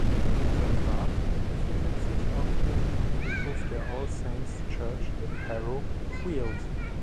Sein Grab befindet sich auf dem Friedhof der All Saints' Church in Harrow Weald.